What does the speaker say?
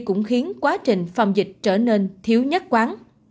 cũng khiến quá trình phòng dịch trở nên thiếu nhất quán